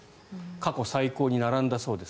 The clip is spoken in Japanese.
過去最高に並んだそうです。